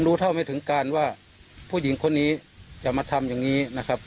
รู้เท่าไม่ถึงการว่าผู้หญิงคนนี้จะมาทำอย่างนี้นะครับ